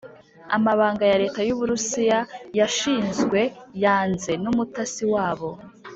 Amabanga ya Leta y’uburusiya yashyizwe yanze numutasi wabo